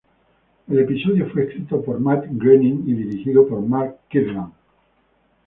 El episodio fue escrito por Matt Groening y dirigido por Mark Kirkland.